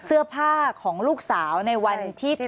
เสื้อผ้าของลูกสาวในวันที่